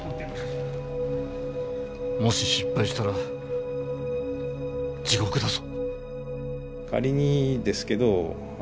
もし失敗したら地獄だぞ。